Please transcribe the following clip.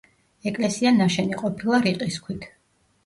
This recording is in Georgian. ეკლესია ნაშენი ყოფილა რიყის ქვით.